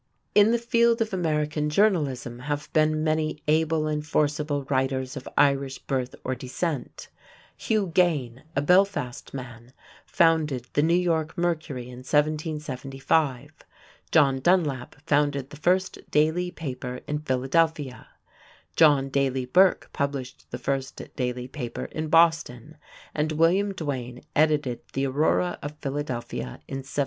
In the field of American journalism have been many able and forcible writers of Irish birth or descent. Hugh Gaine, a Belfast man, founded the New York Mercury in 1775. John Dunlap founded the first daily paper in Philadelphia, John Daly Burk published the first daily paper in Boston, and William Duane edited the Aurora of Philadelphia in 1795.